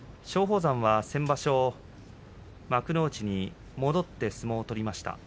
松鳳山は先場所幕内に戻って相撲を取りました。